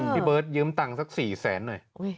พี่เบิร์ตยืมตังค์สัก๔แสนหน่อย